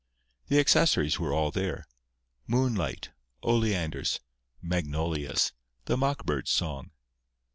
The accessories were all there—moonlight, oleanders, magnolias, the mock bird's song.